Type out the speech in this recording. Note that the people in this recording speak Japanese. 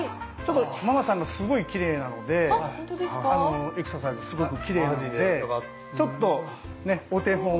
ママさんのすごいきれいなのでエクササイズすごくきれいなのでちょっとお手本。